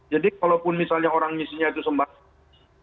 jadi kalaupun misalnya orang misinya itu sembarangan